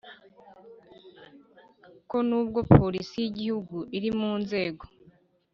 ko nubwo Polisi y Igihugu iri mu nzego